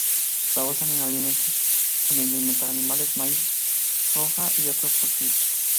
Los usan en alimentar animales: maíz, soja, y otros cultivos.